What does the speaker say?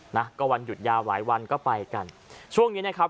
นะก็วันหยุดยาวหลายวันก็ไปกันช่วงนี้นะครับ